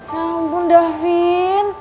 ya ampun davin